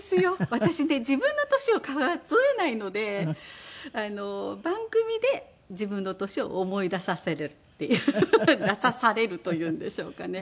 私ね自分の年を数えないので番組で自分の年を思い出させるっていう出さされるというんでしょうかね。